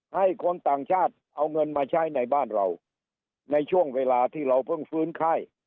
ให้คนต่างชาติเอาเงินมาใช้ในบ้านเราในช่วงเวลาที่เราเพิ่งฟื้นไข้